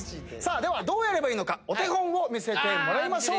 ではどうやればいいのかお手本を見せてもらいましょう。